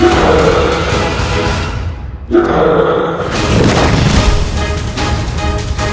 aku tidak mau